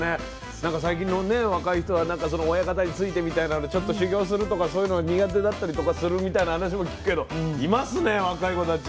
なんか最近のね若い人は親方についてみたいなのちょっと修業するとかそういうのが苦手だったりとかするみたいな話も聞くけどいますね若い子たち。